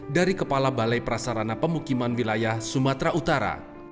dari kepala balai prasarana pemukiman wilayah sumatera utara